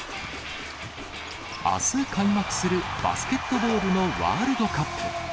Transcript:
あす開幕するバスケットボールのワールドカップ。